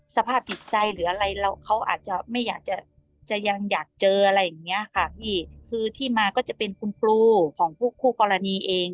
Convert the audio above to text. สภาพจิตใจหรืออะไรเราเขาอาจจะไม่อยากจะจะยังอยากเจออะไรอย่างเงี้ยค่ะพี่คือที่มาก็จะเป็นคุณครูของพวกคู่กรณีเอง